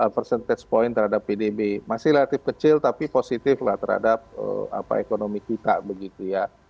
persentage point terhadap pdb masih relatif kecil tapi positif lah terhadap ekonomi kita begitu ya